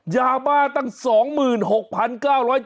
ยาบ้าตั้ง๒๖๙๗๕เมตร